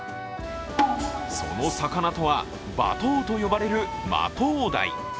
その魚とは、バトウと呼ばれるマトウダイ。